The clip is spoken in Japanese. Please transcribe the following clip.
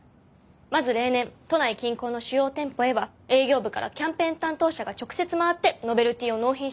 まず例年都内近郊の主要店舗へは営業部からキャンペーン担当者が直接回ってノベルティを納品していますよね。